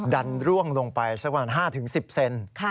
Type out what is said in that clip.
ดันร่วงลงไป๕๑๐เซนติเมตร